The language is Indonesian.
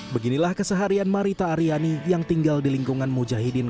beginilah keseharian marita aryani yang tinggal di lingkungan mujahidin